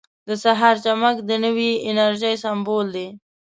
• د سهار چمک د نوې انرژۍ سمبول دی.